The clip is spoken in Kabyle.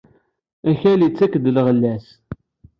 Akal ittak-d lɣella-s.